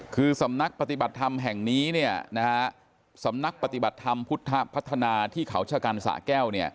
คือสำนักปฏิบัติธรรมแห่งนี้สำนักปฏิบัติธรรมพุทธพัฒนาที่เขาชะกันสะแก้ว